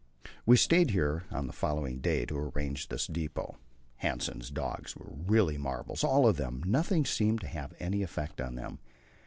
We stayed here on the following day to arrange this depot. Hanssen's dogs were real marvels, all of them; nothing seemed to have any effect on them.